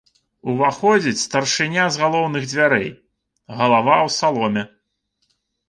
Уваходзіць старшыня з галоўных дзвярэй, галава ў саломе.